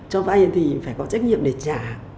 cho vay thì phải có trách nhiệm để trả